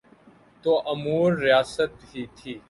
نو آموز ریاست تھی۔